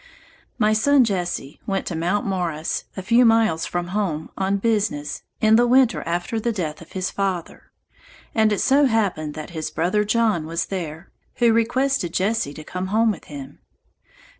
My son Jesse, went to Mt. Morris, a few miles from home, on business, in the winter after the death of his father; and it so happened that his brother John was there, who requested Jesse to come home with him.